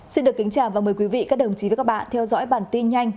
xin được kính chào và mời quý vị các đồng chí với các bạn theo dõi bản tin nhanh